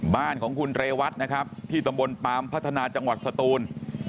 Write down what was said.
บ้านของคุณเรวัตนะครับที่ตำบลปามพัฒนาจังหวัดสตูน